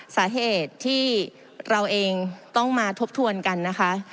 สาเหตุที่เราเองต้องมาทบทวนกันนะคะ